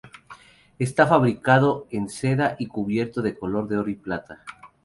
Está fabricado en seda y cubierto de color oro o plata.